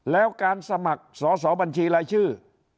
แล้วการสมัครสอสอบัญชีรายชื่อ